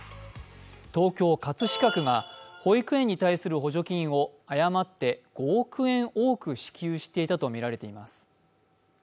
東京・葛飾区が保育園に対する補助金を誤って５億円多く支給したとみられています。